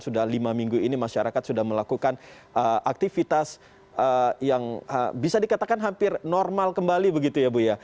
sudah lima minggu ini masyarakat sudah melakukan aktivitas yang bisa dikatakan hampir normal kembali begitu ya bu ya